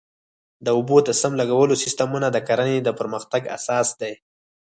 د اوبو د سم لګولو سیستمونه د کرنې د پرمختګ اساس دی.